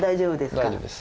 大丈夫です。